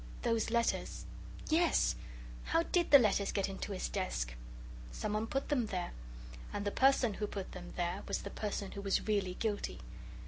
Those letters " "Yes. How did the letters get into his desk?" "Someone put them there. And the person who put them there was the person who was really guilty."